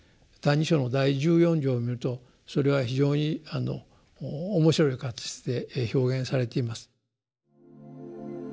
「歎異抄」の第十四条を見るとそれは非常に面白い形で表現されています。